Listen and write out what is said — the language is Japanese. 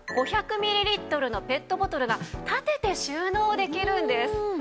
５００ミリリットルのペットボトルが立てて収納できるんです！